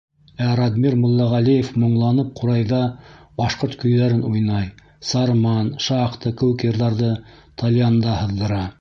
Ә Радмир Муллағәлиев моңланып ҡурайҙа башҡорт көйҙәрен уйнай, «Сарман», «Шахта» кеүек йырҙарҙы тальянда һыҙҙыра.